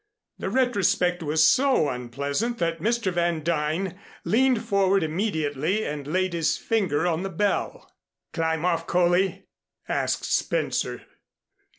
The retrospect was so unpleasant that Mr. Van Duyn leaned forward immediately and laid his finger on the bell. "Climb off, Coley?" asked Spencer.